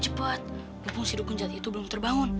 cepat mumpung si dukun jati itu belum terbangun